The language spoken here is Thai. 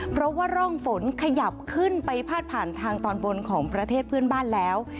เพราะว่าร่องฝนขยับขึ้นไปพาดผ่านทางตอนบนของประเทศเพื่อนบ้านแล้ว